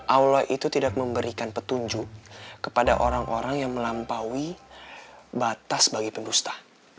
allah itu tidak memberikan petunjuk kepada orang orang yang melampaui batas bagi pendusta